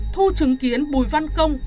thu chứng kiến bùi văn công